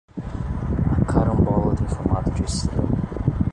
A carambola tem formato de estrela.